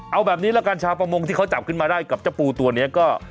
เอาแบบนี้ละกันชาวประมงที่เขาจับขึ้นมาได้กับเจ้าปูตัวนี้ก็